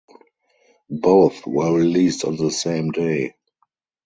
Both were released on the same day.